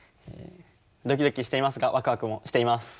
ドキドキしていますがワクワクもしています。